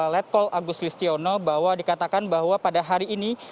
letkol agus listiono bahwa dikatakan bahwa pada hari ini